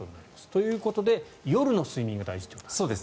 ということで、夜の睡眠が大事ということですね。